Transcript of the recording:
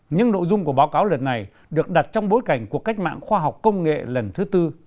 những nội dung của báo cáo lần này được đặt trong bối cảnh cuộc cách mạng khoa học công nghệ lần thứ tư